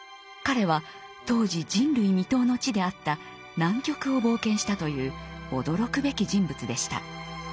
彼は当時人類未踏の地であった南極を冒険したという驚くべき人物でした。